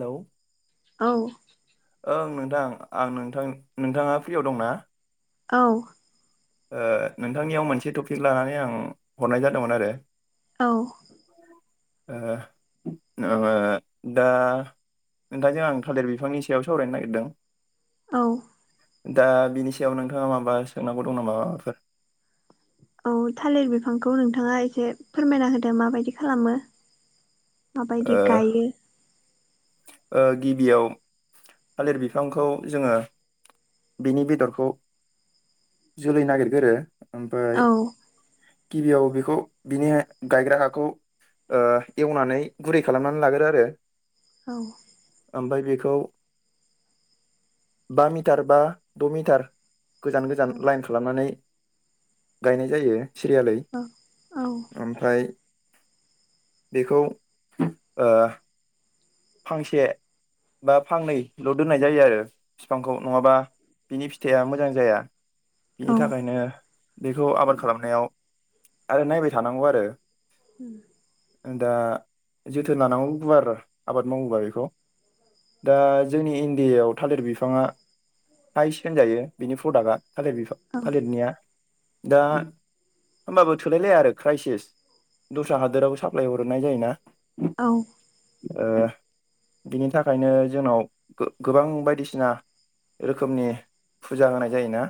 Hello औ ओं नोंथां आं नोंथां नोंथाङा फ्रियाव दंना? औ ओ नोंथांनियाव मोनसे टपिक लानानै आं हरनाय जादोंमोन आरो औ ओ ओ दा नोंथांजों आं थालिर बिफांनि सायाव सावरायनो नागिरदों औ दा बिनि सायाव नोंथाङा माबा सोंनांगौ दं नामा माबाफोर औ थालिर बिफांखौ नोंथाङा एसे फोरमायना होदो माबायदि खालामो ओ माबायदि गायो ओ गिबियाव थालिर बिफांखौ जोङो बिनि बेदरखौ जोलै नागिरगोरो ओमफाय औ गिबियाव बेखौ बिनि गायग्रा हाखौ ओ एवनानै गुरै खालामनानै लागोरो आरो औ ओमफ्राय बेखौ बा मिटार बा द' मिटार गोजान गोजान औ लाइन खालामनानै गायनाय जायो। सिरियालै औ औ ओमफ्राय बेखौ ओ फांसे बा फांनैल' दोननाय जायो आरो फिफांखौ नङाबा बिनि फिथाइआ मोजां जाया बिनि थाखायनो बेखौ आबाद खालामनायाव आरो नायबाय थानांगौ आरो उम दा जोथोन लानांगौ गुवार आबाद मावोबा बेखौ। दा जोंनि इण्डियायाव थालिर बिफाङा हाइस होनजायो बिनि प्रडाक्टआ थालिर बिफा थालिरनिया दा होमबाबो थोलाय लाया आरो क्रायसिस दस्रा हादोरावबो साप्लाय हरनाय जायोना। औ ओ बिनि थाखायनो जोंनाव गो-गोबां बायदिसिना रोखोमनि फुजा होनाय जायोना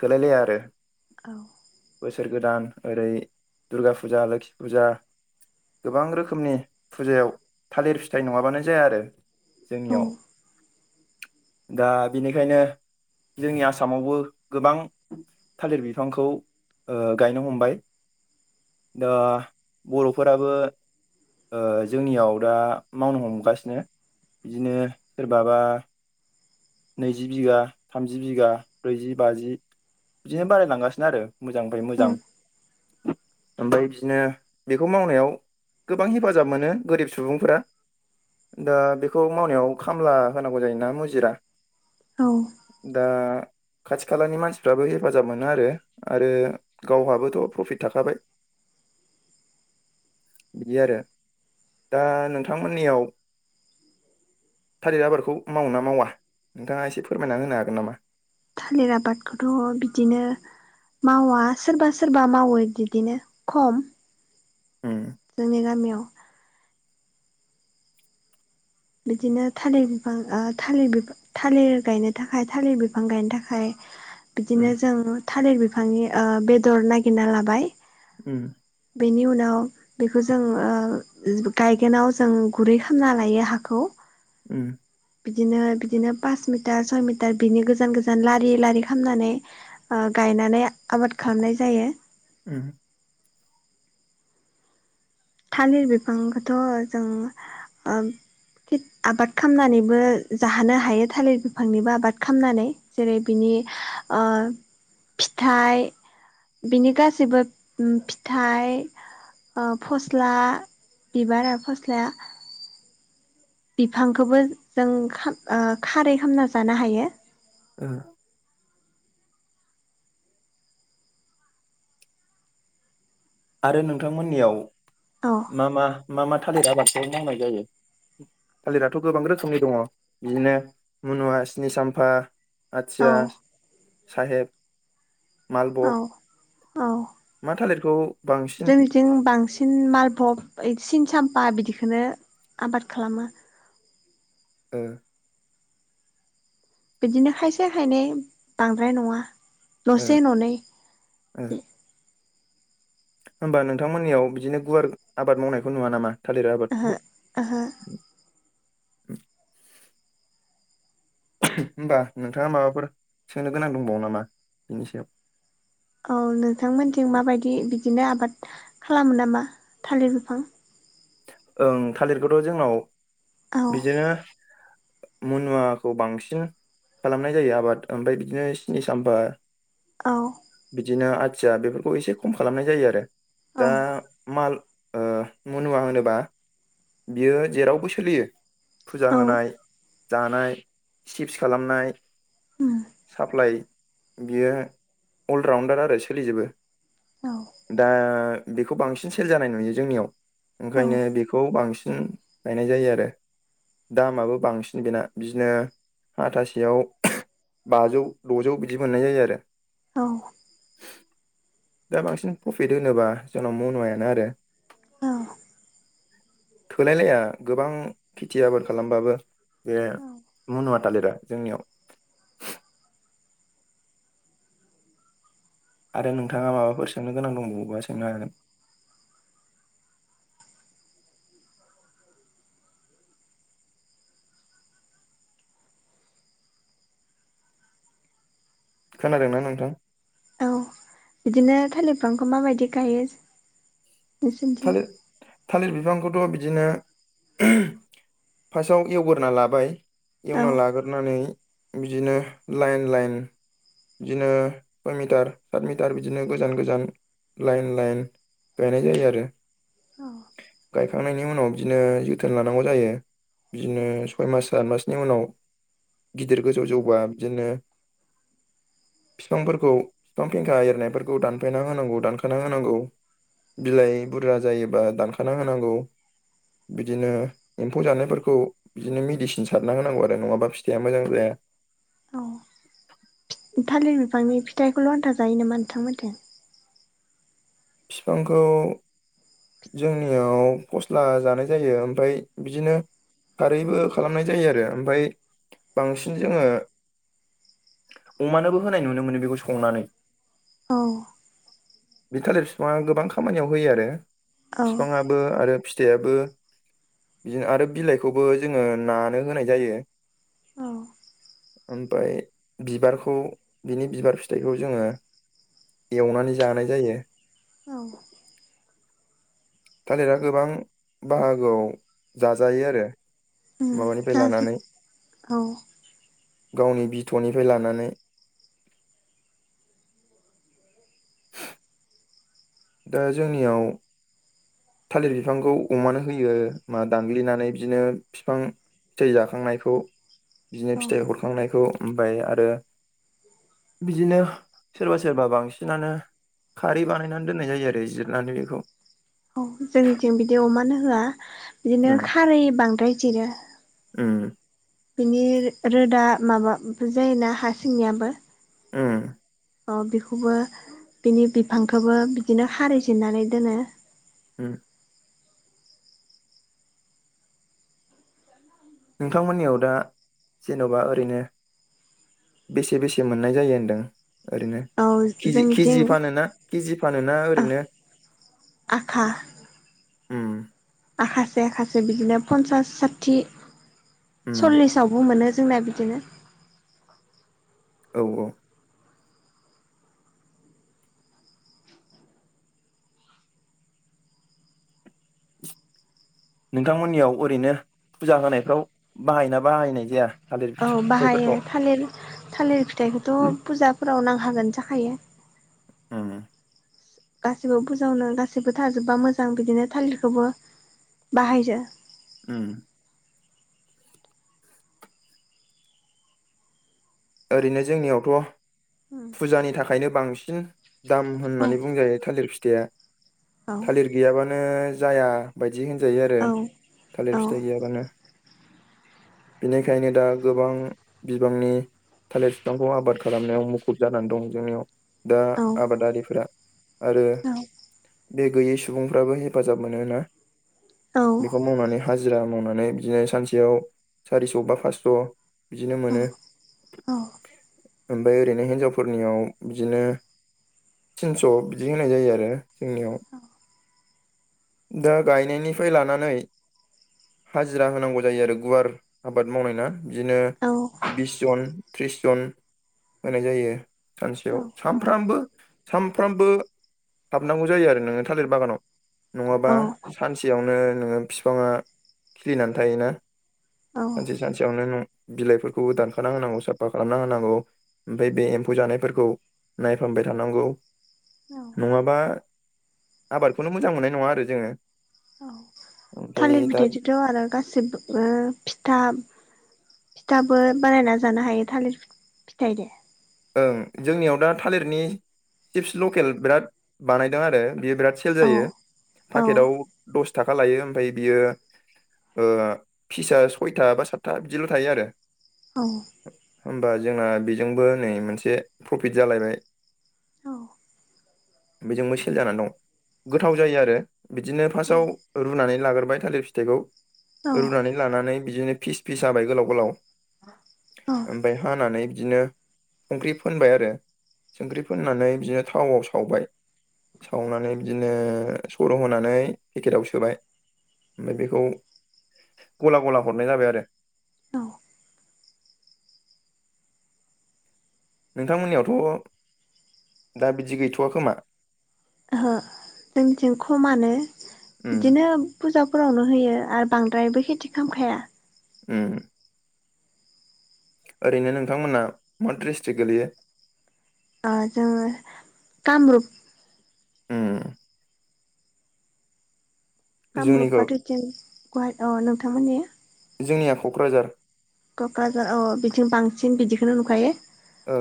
थोलायलाया आरो। औ बोसोर गोदान ओरै दुर्गा फुजा लोखि फुजा गोबां रोखोमनि फुजायाव थालिर फिथाइ नङाबानो जाया आरो जोंनियाव। औ दा बेनिखायनो जोंनि आसामावबो गोबां थालिर बिफांखौ ओ गायनो हमबाय। दा बर'फोराबो ओ जोंनियाव दा मावनो हमगासिनो बिदिनो सोरबाबा नैजि बिगा थामजि बिगा ब्रैजि बाजि बिदिनो बारायलांगासिनो आरो। मोजांनि फाय औ मोजां। ओमफ्राय बिदिनो बेखौ मावनायाव गोबां हेफाजाब मोनो गोरिब सुबुंफोरा। दा बेखौ मावनायाव खामला होनांगौ जायोना मुजिरा। औ दा खाथि खालानि मानसिफ्राबो हेफाजाब मोनो आरो आरो गावहाबोथ' प्रफिट थाखाबाय। बिदि आरो दा नोंथांमोननियाव थालिर आबादखौ मावोना मावा नोंथाङा एसे फोरमायना होनो हागोन नामा। थालिर आबादखौथ' बिदिनो मावा सोरबा सोरबा मावो बिदिनो खम। उम जोंनि गामियाव बिदिनो थालिर बिफां ओ थालिर बिफ थालिर गायनो थाखाय थालिर बिफां गायनो थाखाय बिदिनो उम जों थालिर बिफांनि ओ बेदर नागिरना लाबाय उम बेनि उनाव बेखौ जों ओ गायगोनाव जों गुरै खालामना लायो हाखौ। उम बिदिनो -बिदिनो फास मिटार सय मिटार बिनि गोजान- गोजान लारि -लारि खामनानै ओ गाय यनानै आबाद खालामनाय जायो। उम थालिर बिफांखौथ' जों ओ खिद आबाद खामनानैबो जाहोनो हायो थालिर बिफांनिबो आबाद खामनानै जेरै बिनि ओ फिथाइ बिनि गाैसैबो फिथाइ ओ फस स्ला बिबार आरो फस्लाया बिफांखोबो जों ओ खारै खामना जानो हायो। ओं आरो नोंथांमोननियाव औ मा -मा- मा- मा थालिरा बांसिन मावनाय जायो थालिराथ' गोबां रोखोमनि दङ बिदिनो मुनुवा स्नि साम्फा औ आथिया साहेब औ मालभक मा थालिरखौ बांसिन जोंनिथि बांसिन मालभब इदि सिन साम फा बिदिखोनो आबाद खालामो। ओ बिदिनो खायसे खायनै बांद्राय नङा ओ दसे न'नै ओ होमबा नोंथांमोननियाव बिदिनो गुवार आबाद मावनायखौ नुवा नामा थालिर ओहो आबादखौ [inaudible] ओहो होनोमबा नोंथाङा माबाफोर सोंनो गोनां दंबावो नामा बिनि सायाव औ नोंथांमोनजों माबायदि बि बिदिनो आबाद खालामो नामा थालिर बिफां ओं थालिरखौथ' जोंनाव औ बिदिनो मुनुवाखौ बांसिन खालामनाय जायो आबाद ओमफ्राय बिदिनो सिनि साम्फा औ बिदिनो आथिया बेफोरखौ एसे खम खालामनाय जायो आरो औ दा माल ओ मनुवा होनोबा बियो जेरावबो सोलियो फुजा औ होनाय जानाय सिपस खालामनाय उम साप्लाइ बियो अलराउणडार आरो सोलिजोबो औ दा बेखौ बांसिन सेल जानाय नुयो जोंनियाव औ ओंखायनो बेखौ बांसिन गायनाय जायो आरो दामाबो बांसिन बेना बिदिनो हाथासेयाव बाजौ द'जौ बिदि मोननाय जायो आरो औ दा बांसिन प्रफिट होनोबा जोंनाव मनुवायानो आरो औ थोलायलाया गोबां खेथि आबाद खालामबाबो बे मनुवा थालिरा जोंनियाव आरो नोंथाङा माबाफोर सोंनो गोनां दंबावबा सोंनो हागोन? खोनादोंना नोंथां? औ बिदिनो थालिरफांखौ माबायदि गायो? नोंसोरनिथिं थालिर थालिर बिफां बे खौथ' बिदिनो ओह फार्स्टआव एवग्रोना लाबाय औ एवना लाग्रोनानै बिदिनो लाइन लाइन बिदिनो सय मिटार सात मिटार बिदिनो गोजान गोजान लाइन लाइन गायनाय जायो आरो गायखांनायनि उनाव बिदिनो जोथोन लानांगौ जायो। बिदिनो सय मास आत मासनि उनाव गिदिर गोजौ जौबा बिदिनो बिफांफोरखौ बिफां फेंखा एरनायफोरखौ दानफायना होनांगौ दानखाना होनांगौ। बिलाइ बुरजा जायोबा दानखाना होनांगौ‌। बिदिनो एम्फौ जानायफोरखौ बिदिनो मेडिसिन सारना होनांगौ आरो नङाबा फिथाइया मोजां जाया। औ थालिर बिफांनि फिथाइखौल' आन्था जायो नामा नोंथांमोनथिं? बिफांखौ जोंनियाव फस्ला जानाय जायो ओमफ्राय बिदिनो खारैबो खालामनाय जायो आरो ओमफ्राय बांसिन जोङो अमानोबो होनाय नुनो मोनो बेखौ संनानै औ। बि थालिर बिफाङा गोबां खामानियाव होयो आरो औ बिफाङाबो आरो फि थाइआबो। बिदिनो आरो बिलाइखौबो जोङो नानो होनाय जायो। औ ओमफाय बिबारखौ बिनि बिबार फिथाइखौ जोङो। एवनानै जानाय जायो। औ। थालिरा गोबां बाहागोआव जाजायो आरो औ माबानिफ्राय जाजोब लानानै औ गावनि बिथ'निफ्राय लानानै, दा जोंनियाव थालिर बिफांखौ अमानो होयो मा दानग्लिनानै बिदिनो बिफां फिथाइ जाखांनायखौ बिदिनो औ फिथाइ हरखांनायखौ ओमाय आरो बिदिनो सोरबा सोरबा बांसिनानो खारै बानायनानै दोननाय जायो आरो जिरनानै बेखौ। औ जोंनिथिं बिदि अमानो होआ बिदिनो उम खारै बांद्राय जिरो। उम बिनि रोदा माबा जायोना हा सिंनियाबो उम अ बेखौबो बिनि बिफांखौबो बिदिनो खारै जेरनानै दोनो। उम। नोंथांमोननियाव दा जेन'बा ओरैनो बेसे बेसे मोननाय जायो होनदों? ओरैनो औ केजि जोंनिथिं केजि फानोना केजि फानोना ओरैनो? आहा उम। आखासे आसे बिदिनो पन्सास साथि उम सल्लिसावबो मोनो। जोंना बिदिनो। औ औ। नोंथांमोननियाव ओरैनो फुजा होनायफ्राव बाहायना बाहायनाय जाया? थालिर औ बाहायो फिथाइफोरखौ थालिर थालिर फिथाइखौथ' फुजाफोराव नां हागोन जाखायो। उम गासैबो बुजावनो गासैबो थाजोबबा मोजां बिदिनो थालिरखौबो बाहाय जा ओ ओरैनो जोंनियावथ' फुजानि थाखायनो बांसिन दाम औ होननानै बुंजायो थालिर फिथाइया थालिर गैयाबानो नो जाया बायदि होनजायो आरो औ औ थालिर फिथाइ गैयाबानो बेनिखायनो दा गोबां बिबांनि थालिर बिफांखौ आबाद खालामनायाव मुखुब जानानै दं जोंनियाव दा औ आबादारिफोरा आरो बे गैयै सुबुंफ्राबो हेफाजाब मोनो ना बेखौ मावनानै हाजिरा मावनानै बिदिनो सानसेयाव सारिस' बा पास्स' बिदिनो मोनो ओमफ्राय ओरैनो हिनजावफोरनियाव बिदिनो तिनस' बिदि होनाय जायो आरो जोंनियाव दा गायनायनिफ्राय लानानै हाजिरा होनांगौ जायो आरो गुवार आबाद मावनाय ना बिदिनो बिस जन त्रिस जन होनाय जायो सानसेयाव सानफ्रामबो सानफ्रामबो हाबनांगौ जायो आरो नोङो थालिर बागानाव नङाबा औ सानसेयावनो नोङो बिफाङा खिलिनानै थायोना औ सानसे सानसेयावनो नों बिलाइफोरखौबो दानखाना होनांगौ साफ साफा खालामना होनांगौ ओमफ्राय बे एम्फौ जानायफोरखौ नायफामबाय थानांगौ औ नङाबा आबादखौनो मोजां मोननाय नंङा आरो जोङो औ ओमफ्राय थालिर दा फिथाइजोंथ' आरो गासैबो फिथा फिथाबो बानायना जानो हायो थालिर फिथाइ दे ओं जोंनियाव दा थालिरनि चिप्स लकेल बिराद बानायदों आरो बियो बिराद सेल औ जायो औ पाकेटाव दस थाखा लायो ओमफ्राय बियो ओ फिसा सयथा बा सातथा बिदिल' थायो आरो औ होमबा जोंना बेजोंबो नै मोनसे प्रफिट जालायबाय औ बेजोंबो सेल जाना दं गोथाव जायो आरो बिदिनो फार्स्टआव रुनानै लाग्रबाय थालिर फिथाइखौ औ रुनानै लानानै बिदिनो फिस फिस हाबाय गोलाव गोलाव औ ओमफाय हानानै बिदिनो संख्रि फोनबाय आरो संख्रि फोननानै बिदिनो थावआव सावबाय सावनानै बिदिनो सर' होनानै पेकेटाव सोबाय ओमफ्राय बेखौ गला गला हरनाय जाबाय आरो औ नोंथांमोननियावथ' दा बिदि गैथ'वखोमा ओहो जोंथिं खमानो उम बिदिनो फुजा फोरावनो होयो आरो बांद्रायबो खेथि खामखाया उम ओरैनो नोंथांमोनहा मा डिस्ट्रिक्ट गोलैयो आ जोङो कामरुप उम कामरुप जोंनिखौ बाथाय जों गुवाह अ नोंथांमोननि जोंनिया क'क्राझार क'क्राझार अ बिथिं बांसिन बिदिखौनो नुखायो ओ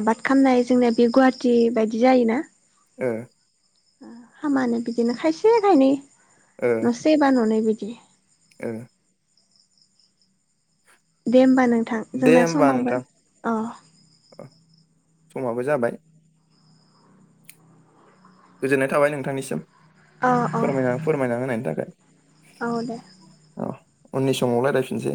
आबाद खामनाय जोंना बे गुवाहाटि बायदि जायोना ओ हामानो बिदिनो खायसे खायनै ओ न'से बा न'नै बिदि ओ दे होमबा नोंथां दे जोंना होमबा समावबो नोंथां अ समाबो जाबाय गोजोननाय थाबाय नोंथांनिसिम अ अ फोरमायना फोरमायना होनायनि थाखाय औ दे अ उननि समाव रायायफिनसै।